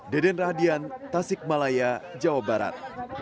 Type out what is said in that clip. deden radian tasik malaya jawa barat